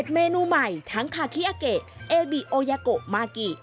เมนูใหม่ทั้งคาคิอาเกะเอบิโอยาโกมากิ